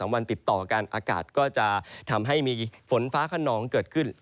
วันติดต่อกันอากาศก็จะทำให้มีฝนฟ้าขนองเกิดขึ้น